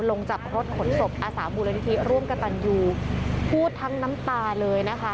ลงจากรถขนศพอาสามูลนิธิร่วมกับตันยูพูดทั้งน้ำตาเลยนะคะ